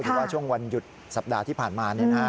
เพราะว่าช่วงวันหยุดสัปดาห์ที่ผ่านมา